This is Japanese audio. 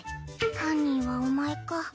犯人はお前か。